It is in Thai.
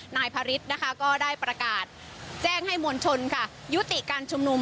นายพระฤทธิ์นะคะก็ได้ประกาศแจ้งให้มวลชนค่ะยุติการชุมนุม